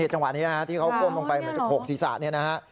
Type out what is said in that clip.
จังหวะนี้นะครับที่เขากล้มลงไปเหมือนจะโขกศีรษะ